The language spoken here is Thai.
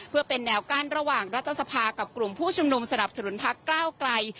เพื่อเป็นแนวกั้นระหว่างรัฐสภากับกลุ่มผู้ชุมนุมสนับสนุนพักก้าวไกล